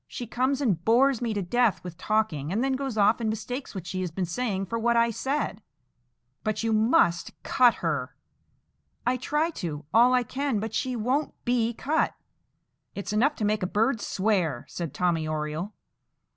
She comes and bores me to death with talking, and then goes off and mistakes what she has been saying for what I said." "But you must cut her." "I try to, all I can; but she won't be cut." "It's enough to make a bird swear," said Tommy Oriole.